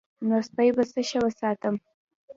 نو سپی به څه ښه وساتم.